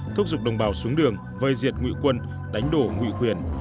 thúc giục đồng bào xuống đường vơi diệt ngụy quân đánh đổ ngụy quyền